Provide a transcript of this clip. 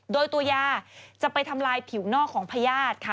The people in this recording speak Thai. โดยตัวยาจะไปทำลายผิวนอกของพญาติค่ะ